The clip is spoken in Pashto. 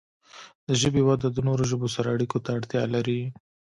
د ژبې وده د نورو ژبو سره اړیکو ته اړتیا لري.